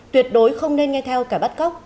tuyệt đối không nên nghe theo cả bắt góc